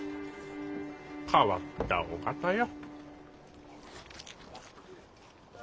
変わったお方よ。